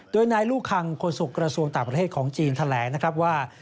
โดยนายลูกคังคนสุขกระทรวงต่างประเทศของจีนแถลงว่า